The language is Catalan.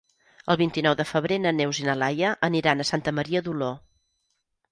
El vint-i-nou de febrer na Neus i na Laia aniran a Santa Maria d'Oló.